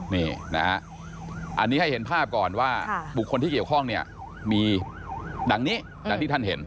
นี่นะฮะอันนี้ให้เห็นภาพก่อนว่าบุคคลที่เกี่ยวข้องเนี่ยมีดังนี้ดังที่ท่านเห็น